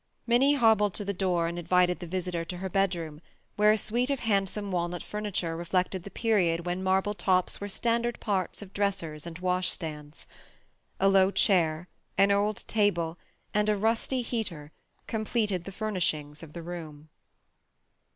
Minnie hobbled to the door and invited the visitor to her bedroom, where a suite of handsome walnut furniture reflected the period when marble tops were standard parts of dressers and washstands. A low chair, an old table, and a rusty heater completed the furnishings of the room.